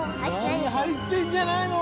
はいってんじゃないの？